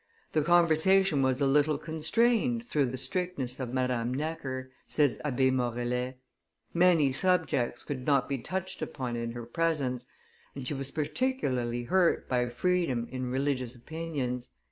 "The conversation was a little constrained through the strictness of Madame Necker," says Abbe Morellet; "many subjects could not be touched upon in her presence, and she was particularly hurt by freedom in religious opinions."